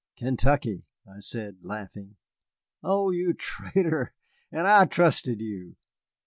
"Kentucky," I said, laughing. "Oh, you traitor and I trusted you.